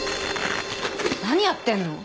何やってんの？